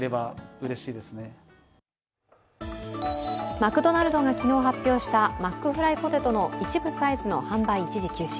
マクドナルドが昨日発表したマックフライポテトの一部サイズの販売一時休止。